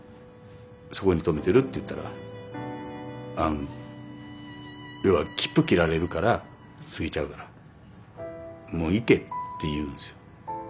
そこに止めてるって言ったら要は切符切られるから過ぎちゃうからもう行けと言うんですよ。